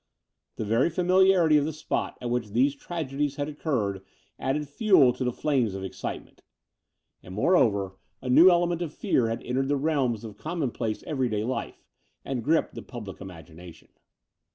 The very familiarity of the spot at which these tragedies had occurred added fuel to the flames of excitement: and, moreover, a new The Brighton Road 35 element of fear had entered the realms of com monplace everyday life and gripped the public imagination.